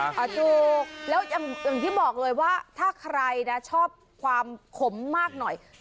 อ่าถูกแล้วอย่างที่บอกเลยว่าถ้าใครนะชอบความขมมากหน่อย